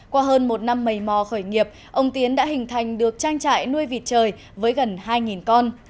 qua hơn một năm mầy mò khởi nghiệp ông tiến đã hình thành được trang trại nuôi vịt trời với gần hai con